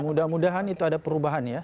mudah mudahan itu ada perubahan ya